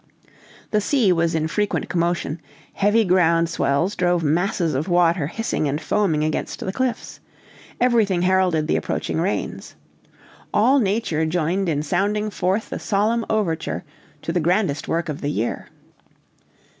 The sea was in frequent commotion; heavy ground swells drove masses of water hissing and foaming against the cliffs. Everything heralded the approaching rains. All nature joined in sounding forth the solemn overture to the grandest work of the year.